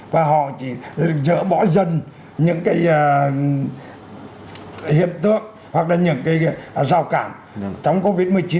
và họ chỉ dỡ bỏ dần những cái hiện tượng hoặc là những cái rào cản chống covid một mươi chín